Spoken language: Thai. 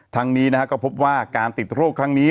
ทั้งนี้ก็พบว่าการติดโรคครั้งนี้